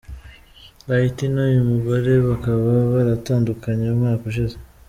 Lighty n’uyu mugore bakaba baratandukanye umwaka ushize.